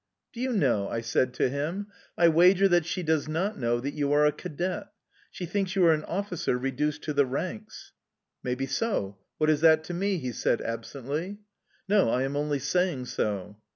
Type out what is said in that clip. "Do you know?" I said to him. "I wager that she does not know that you are a cadet. She thinks you are an officer reduced to the ranks"... "Maybe so. What is that to me!"... he said absently. "No, I am only saying so"...